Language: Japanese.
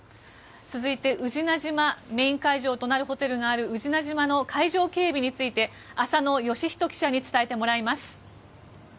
続いて、メイン会場となるホテルがある宇品島の海上警備について浅野孝仁記者に伝えてもらいます。